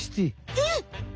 えっ？